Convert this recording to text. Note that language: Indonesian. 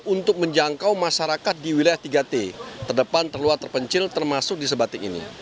untuk menjangkau masyarakat di wilayah tiga t terdepan terluar terpencil termasuk di sebatik ini